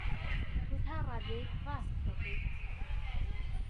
تۆ تا ڕادەیەک ڕاست دەکەیت.